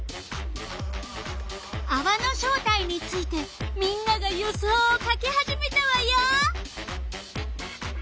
あわの正体についてみんなが予想を書き始めたわよ。